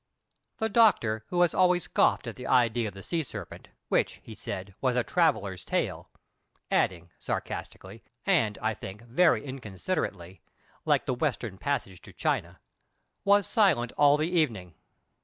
The doctor, who has always scoffed at the idea of the sea serpent, which, he said, was a travellers' tale (adding, sarcastically, and, I think, very inconsiderately, "like the western passage to China"), was silent all the evening.